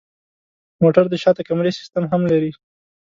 موټر د شاته کمرې سیستم هم لري.